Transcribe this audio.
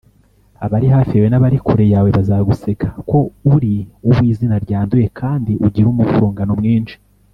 Abari hafi yawe n’abari kure yawe bazaguseka ko uri uw’izina ryanduye, kandi ugira umuvurungano mwinshi